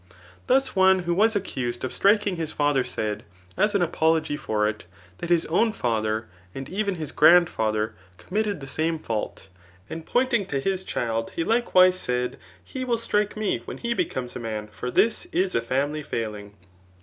Thus one who was accused of striking his father said, as an apology for it, that his own father, and even his grandfather, committed the same &ult; and pointing to his child, he likewise, said he, will strike me when he becomes a man ; for this is a family £adl* ing.